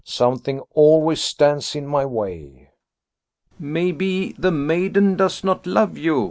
Something always stands in my way." "Maybe the maiden does not love you?"